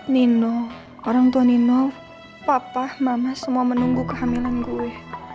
nino orang tua nino papa mama semua menunggu kehamilan gue